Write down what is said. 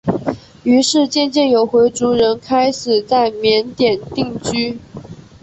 于是渐渐有回族人开始在缅甸定居。